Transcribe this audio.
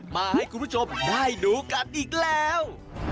มาให้คุณผู้ชมได้ดูกันอีกแล้ว